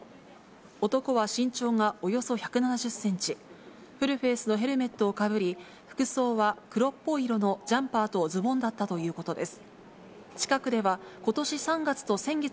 男は身長がおよそ１７０センチ、フルフェイスのヘルメットをかぶり、服装は黒っぽい色のジャンパーとズボンだったということです。